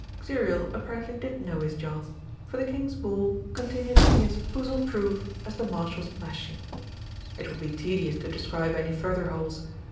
Xuriel apparently did know his job, for the King's ball continued to be as foozle proof as the Marshal's mashie. It would be tedious to describe any further holes.